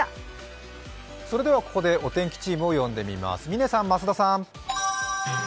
ここでお天気チームを呼んでみます。